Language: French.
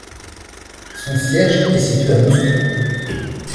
Son siège est situé à Moscou.